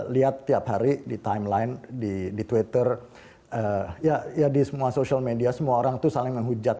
lihat tiap hari di timeline di twitter ya di semua social media semua orang itu saling menghujat